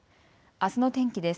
あすの天気です。